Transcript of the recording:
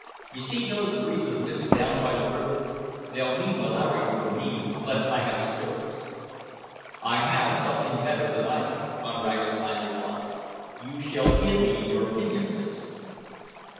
You see those wreaths of mist down by the river? They'll mean malaria for me unless I have spirits." "I have something better than either," Von Ragastein replied. "You shall give me your opinion of this."